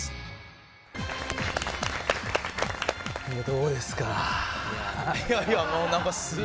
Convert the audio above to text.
「どうですか？」。